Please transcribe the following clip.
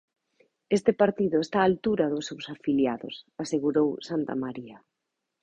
"Este partido está á altura dos seus afiliados", asegurou Santamaría.